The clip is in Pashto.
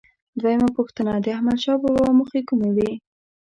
دویمه پوښتنه: د احمدشاه بابا موخې کومې وې؟